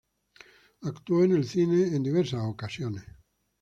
Actuó en el cine en diversas ocasiones.